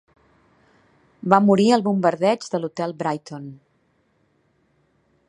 Va morir al bombardeig de l'hotel Brighton.